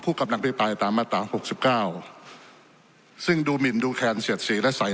กำลังพิปรายตามมาตราหกสิบเก้าซึ่งดูหมินดูแคนเสียดสีและใส